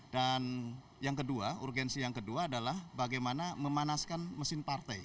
dan yang kedua urgensi yang kedua adalah bagaimana memanaskan mesin partai